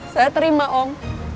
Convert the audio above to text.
saya terima om